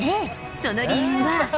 その理由は。